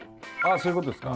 そういうことですか